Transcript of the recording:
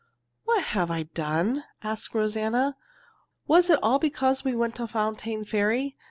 "What have I done?" asked Rosanna. "Was it all because we went to Fontaine Ferry?